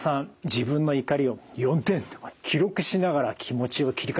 自分の怒りを４点記録しながら気持ちを切り替えてましたね。